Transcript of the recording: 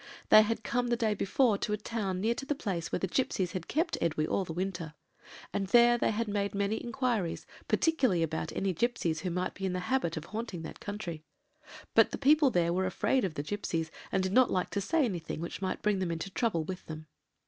They had come the day before to a town near to the place where the gipsies had kept Edwy all the winter, and there they had made many inquiries, particularly about any gipsies who might be in the habit of haunting that country: but people there were afraid of the gipsies, and did not like to say anything which might bring them into trouble with them.